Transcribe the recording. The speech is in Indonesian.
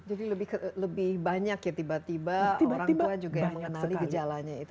jadi lebih banyak ya tiba tiba orang tua juga yang mengenali gejalanya itu